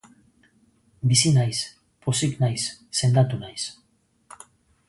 Bizi naiz, pozik naiz, sendatu naiz.